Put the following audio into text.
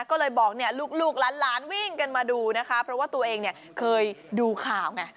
ก็เลยบอกเนี่ยลูกหลานวิ่งกันมาดูนะคะเพราะว่าตัวเองเนี่ยเคยดูข่าวไง